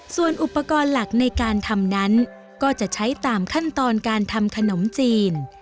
ส่วนอุปกรณ์หลักในการทำนั้นก็จะใช้ตามขั้นตอนการทำขนมจีน